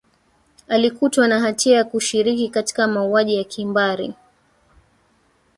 alikutwa na hatia ya kushiriki katika mauaji ya kimbari